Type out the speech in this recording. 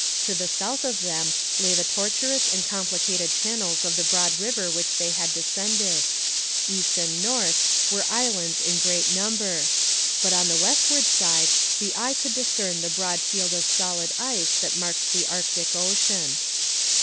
To the south of them lay the tortuous and complicated channels of the broad river which they had descended; east and north were islands in great number; but on the westward side the eye could discern the broad field of solid ice that marked the Arctic ocean.